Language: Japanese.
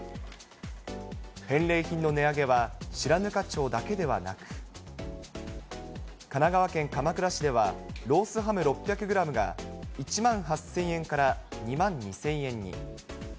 返礼品の値上げは白糠町だけではなく、神奈川県鎌倉市では、ロースハム６００グラムが１万８０００円から２万２０００円に。